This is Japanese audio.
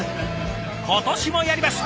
今年もやります！